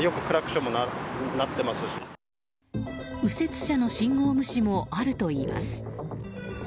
右折車の信号無視もあるといいます。